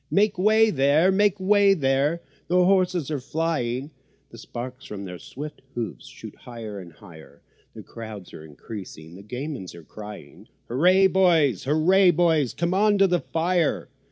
Make way there! make way there! the horses are flying, The sparks from their swift hoofs shoot higher and higher, The crowds are increasing—the gamins are crying: "Hooray, boys!" "Hooray, boys!" "Come on to the fire!"